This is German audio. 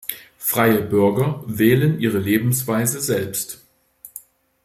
Freie Bürger wählen Ihre Lebensweise selbst.